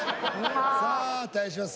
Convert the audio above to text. さあ対します